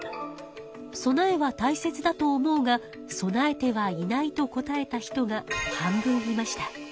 備えは大切だと思うが備えてはいないと答えた人が半分いました。